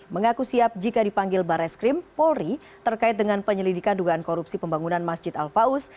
mengaku siap jika dipanggil bares krim polri terkait dengan penyelidikan dugaan korupsi pembangunan masjid al faus